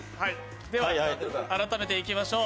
改めていきましょう。